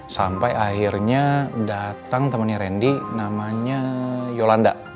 sampai akhirnya datang temennya rendy namanya yolanda